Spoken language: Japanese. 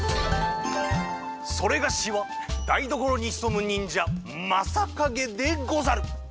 それがしはだいどころにひそむにんじゃマサカゲでござる！